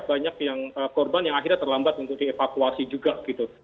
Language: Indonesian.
banyak yang korban yang akhirnya terlambat untuk dievakuasi juga gitu